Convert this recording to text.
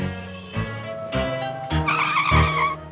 maksudnya berangkat yuk ryash